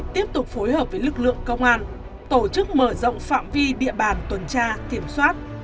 tiếp tục phối hợp với lực lượng công an tổ chức mở rộng phạm vi địa bàn tuần tra kiểm soát